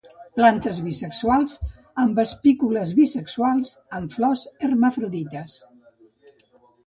Plantes bisexuals, amb espícules bisexuals; amb flors hermafrodites.